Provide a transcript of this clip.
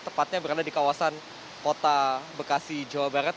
tepatnya berada di kawasan kota bekasi jawa barat